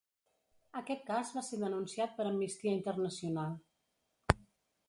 Aquest cas va ser denunciat per Amnistia Internacional.